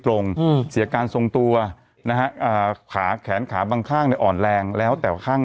ตรงเสียการทรงตัวนะฮะขาแขนขาบางข้างอ่อนแรงแล้วแต่ข้าง